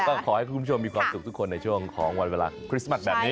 ก็ขอให้คุณผู้ชมมีความสุขทุกคนในช่วงของวันเวลาคริสต์มัสแบบนี้